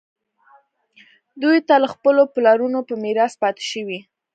دوی ته له خپلو پلرونو په میراث پاتې شوي.